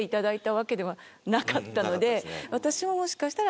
私はもしかしたら。